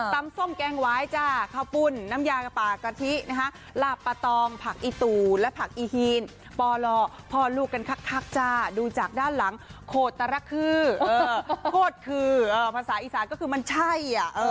ซ้ำส้มแกงไว้ข้าวปุ่นน้ำยากระปากกะทิลาบปลาตอมผักอิตุและผักอิฮีนปอลอพอลูกกันคักดูจากด้านหลังโคตรคือโคตรคือภาษาอีสานก็คือมันใช่